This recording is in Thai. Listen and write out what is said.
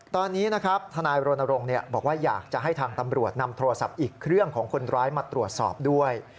ตอนนี้นะครับทนายรณรงค์บอกว่าอยากจะให้ทางตำรวจนำโทรศัพท์อีกเครื่องของคนร้ายมาตรวจสอบด้วย